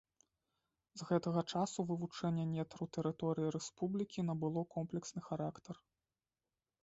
З гэтага часу вывучэнне нетраў тэрыторыі рэспублікі набыло комплексны характар.